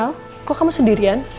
el kok kamu sendirian